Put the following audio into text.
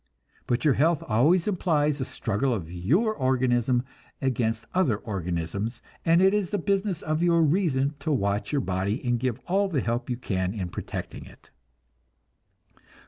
But your health always implies a struggle of your organism against other organisms, and it is the business of your reason to watch your body and give all the help you can in protecting it.